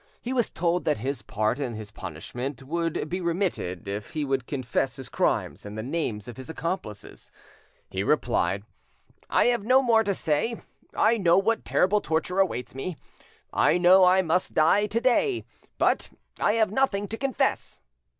He was told that this part of his punishment would be remitted if he would confess his crimes and the names of his accomplices. He replied: "I have no more to say. I know what terrible torture awaits me, I know I must die to day, but I have nothing to confess."